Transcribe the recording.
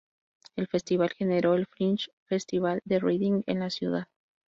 El Festival generó el Fringe Festival de Reading en la ciudad.